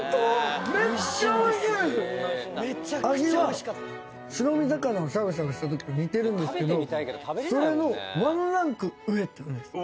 味は白身魚をしゃぶしゃぶしたときと似てるんですけどそれのワンランク上って感じです。